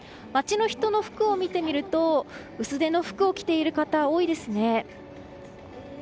街の人の服を見てみると薄手の服を着ている方多いですね。